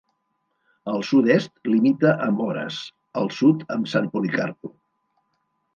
Al sud-est, limita amb Oras; al sud, amb San Policarpo.